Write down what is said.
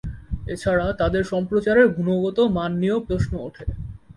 এছাড়া তাদের সম্প্রচারের গুণগত মান নিয়েও প্রশ্ন ওঠে।